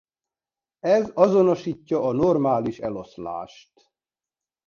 Ez azonosítja a normális eloszlást.